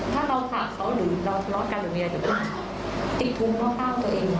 ถ้าเราขับเขาหรือเราสล๊อคกันติดทุ่มเข้าข้ามตัวเองค่ะ